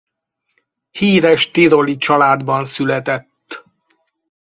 Híres tiroli családban született.